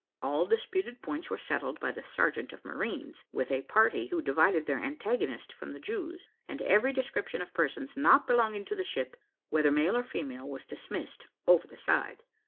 All disputed points were settled by the sergeant of marines with a party, who divided their antagonists from the Jews; and every description of persons not belonging to the ship, whether male or female, was dismissed over the side.